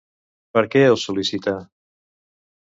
Per què el sol·licita?